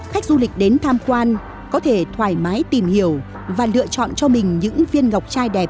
khách du lịch đến tham quan có thể thoải mái tìm hiểu và lựa chọn cho mình những viên ngọc chai đẹp